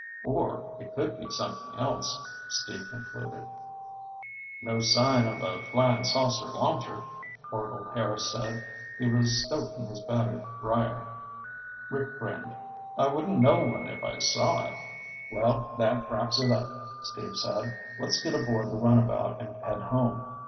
"Or it could be something else," Steve concluded. "No sign of a flyin' saucer launcher," Orvil Harris said. He was stoking his battered brier. Rick grinned. "I wouldn't know one if I saw it." "Well, that wraps it up," Steve said. "Let's get aboard the runabout and head home.